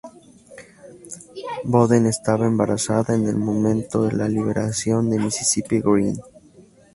Boden estaba embarazada en el momento de la liberación de Mississippi Grind.